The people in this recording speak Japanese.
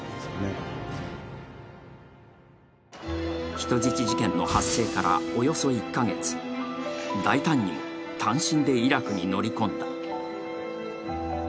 人質事件の発生からおよそ１か月大胆にも単身でイラクに乗り込んだ。